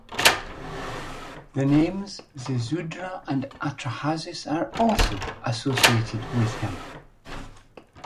The names Ziusudra and Atrahasis are also associated with him.